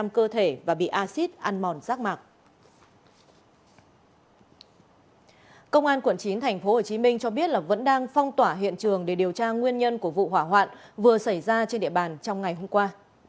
công an quận chín tp hcm cho biết là vẫn đang phong tỏa hiện trường để điều tra nguyên nhân của vụ hỏa hoạn vừa xảy ra trên địa bàn trong ngày hôm qua